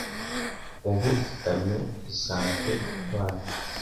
ubu Ikamyo isanzwe itwara